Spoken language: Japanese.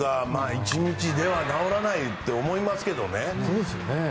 １日では治らないって思いますけどね。